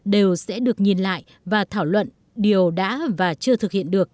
đều sẽ được nhìn lại và thảo luận điều đã và chưa thực hiện được